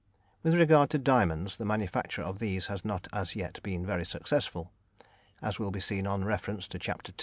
With regard to diamonds, the manufacture of these has not as yet been very successful. As will be seen on reference to Chapter II.